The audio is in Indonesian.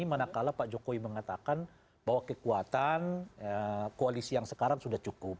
manakala pak jokowi mengatakan bahwa kekuatan koalisi yang sekarang sudah cukup